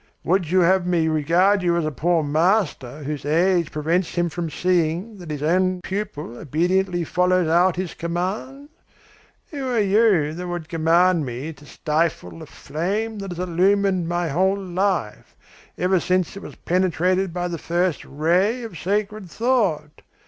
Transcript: Would you have me regard you as a poor master whose age prevents him from seeing that his own pupil obediently follows out his commands? Who are you that would command me to stifle the flame that has illuminated my whole life, ever since it was penetrated by the first ray of sacred thought?